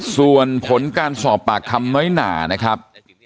ส่วนผลการสอบปากคำน้อยหนานะครับ